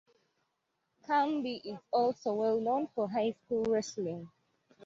Canby is also well known for high school wrestling.